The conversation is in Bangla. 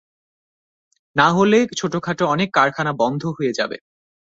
না হলে ছোটখাটো অনেক কারখানা বন্ধ হয়ে যাবে।